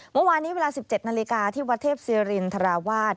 เมื่อวานนี้เวลา๑๗นาฬิกาที่วัดเทพศิรินทราวาส